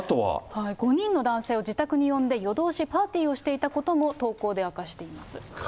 ５人の男性を自宅に呼んで夜通しパーティーをしていたことも、投稿で明かしています。